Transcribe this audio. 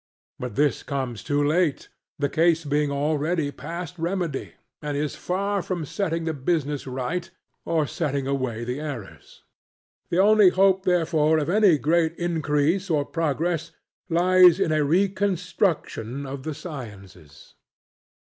But this comes too late, the case being already past remedy; and is far from setting the business right or sifting away the errors. The only hope therefore of any greater increase or progress lies in a reconstruction of the sciences.